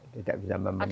tidak bisa memenuhi